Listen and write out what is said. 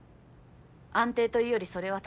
安定というよりそれは。